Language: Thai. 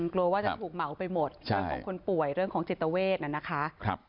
กลัวว่าจะถูกเหมาไปหมดเรื่องของคนป่วยเรื่องของจิตเวทน่ะนะคะ